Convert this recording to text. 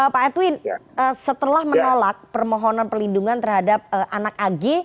pak edwin setelah menolak permohonan perlindungan terhadap anak ag